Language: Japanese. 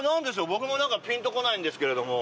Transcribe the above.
僕もピンとこないんですけれども。